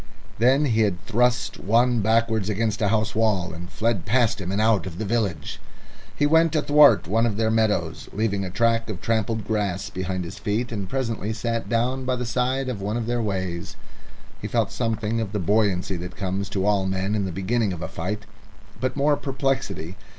Then he thrust one backwards against a house wall, and fled past him and out of the village. He went athwart one of their meadows, leaving a track of trampled grass behind his feet, and presently sat down by the side of one of their ways. He felt something of the buoyancy that comes to all men in the beginning of a fight, but more perplexity.